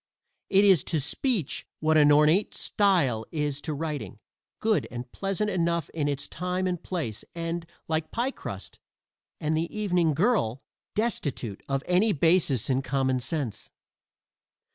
It is to speech what an ornate style is to writing good and pleasant enough in its time and place and, like pie crust and the evening girl, destitute of any basis in common sense.